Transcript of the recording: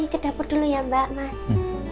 ke dapur dulu ya mbak mas